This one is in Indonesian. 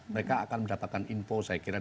mereka akan mendapatkan info saya kira